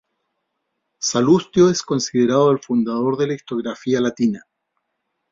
Salustio es considerado el fundador de la historiografía latina.